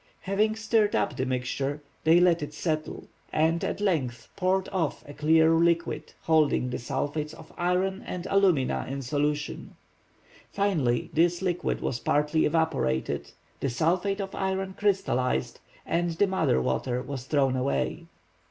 Having stirred up the mixture, they let it settle, and at length poured off a clear liquid holding the sulphates of iron and alumina in solution. Finally, this liquid was partly evaporated, the sulphate of iron crystalized, and the mother water was thrown away.